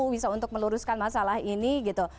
bisa untuk meluruskan masalah ini gitu